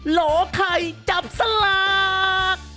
หลวงไข่จับสลัก